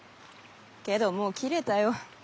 けどもう切れたよ。